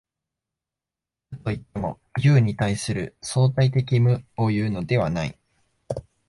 無といっても、有に対する相対的無をいうのではない。